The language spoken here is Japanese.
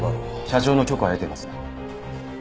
社長の許可は得てます。